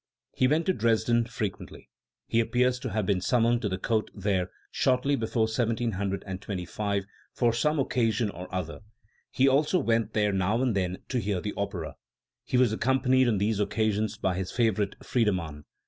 He went to Dresden frequently. He appears to have been summoned to the Court there shortly before 1725 for some occasion or other *; he also went there now and then to hear the opera. He was accompanied on these occa sions by his favorite Friedemann.